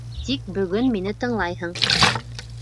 Тик бөгөн мине тыңлайһың!